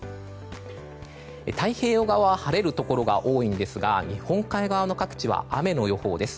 太平洋側は晴れるところが多いんですが日本海側の各地は雨の予報です。